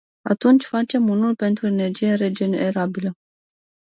Atunci, facem unul pentru energie regenerabilă.